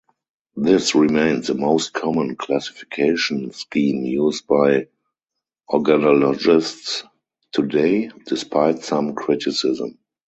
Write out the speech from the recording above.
This remains the most common classification scheme used by organologists today, despite some criticism.